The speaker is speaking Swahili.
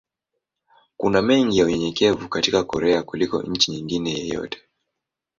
Kuna mengi ya unyenyekevu katika Korea kuliko nchi nyingine yoyote.